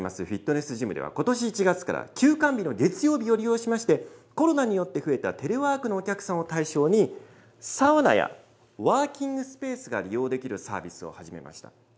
フィットネスジムでは、ことし１月から休館日の月曜日を利用しまして、コロナによって増えたテレワークのお客さんを対象に、サウナや、ワーキングスペースが利用できるサービスを始めました。